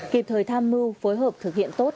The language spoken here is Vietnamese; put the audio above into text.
kịp thời tham mưu phối hợp thực hiện tốt